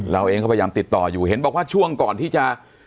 เราเองก็พยายามติดต่ออยู่เห็นบอกว่าช่วงก่อนที่จะ